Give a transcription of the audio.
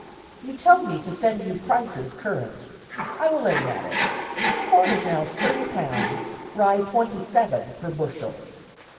"You tell me to send you prices current. I will aim at it. Corn is now thirty pounds, rye twenty seven, per bushel.